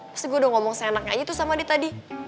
pasti gue udah ngomong senang aja tuh sama dia tadi